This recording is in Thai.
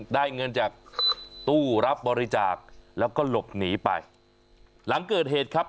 ได้เงินจากตู้รับบริจาคแล้วก็หลบหนีไปหลังเกิดเหตุครับ